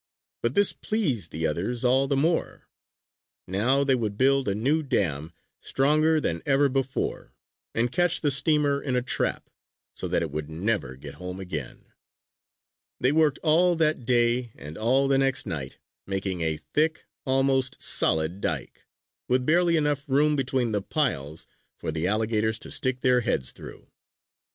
But this pleased the others all the more. Now they would build a new dam, stronger than ever before, and catch the steamer in a trap, so that it would never get home again. They worked all that day and all the next night, making a thick, almost solid dike, with barely enough room between the piles for the alligators to stick their heads through.